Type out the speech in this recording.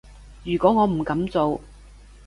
如果我唔噉做